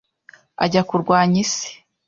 Ajya kurwanya Isi -